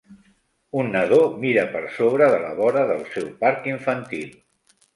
Un nadó mira per sobre de la vora del seu parc infantil.